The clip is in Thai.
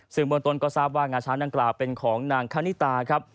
ซึ่งบนต้นก็ทราบว่างาช้างนั่งกล่าวเป็นของนางคณิตา